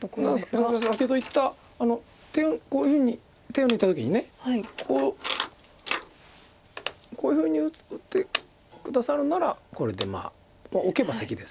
先ほど言ったこういうふうに手を抜いた時にこうこういうふうに打って下さるならこれでオケばセキですけど生き形。